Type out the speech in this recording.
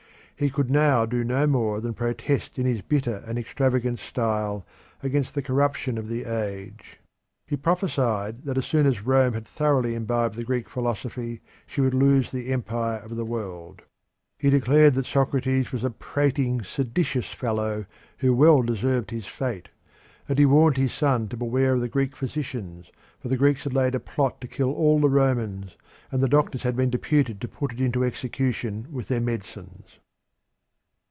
He could now do no more than protest in his bitter and extravagant style against the corruption of the age. He prophesied that as soon as Rome had thoroughly imbibed the Greek philosophy she would lose the empire of the world; he declared that Socrates was a prating, seditious fellow who well deserved his fate; and he warned his son to beware of the Greek physicians, for the Greeks had laid a plot to kill all the Romans, and the doctors had been deputed to put it into execution with their medicines.